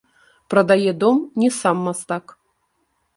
Прадае дом не сам мастак.